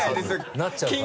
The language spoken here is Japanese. なっちゃうから。